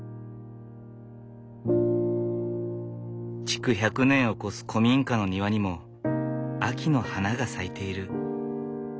築１００年を超す古民家の庭にも秋の花が咲いている。